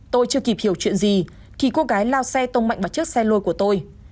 tôi chưa kịp hiểu chuyện gì thì cô gái lao xe tông mạnh vào chiếc xe lôi của tôi